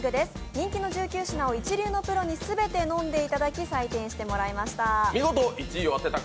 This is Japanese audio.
人気の１９品を一流のプロに全て飲んでいただき、採点していただきました。